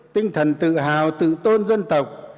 tinh thần tự hào tự tôn dân tộc